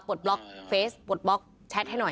บล็อกเฟสปลดบล็อกแชทให้หน่อย